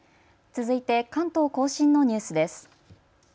続いて関東甲信のニュースです。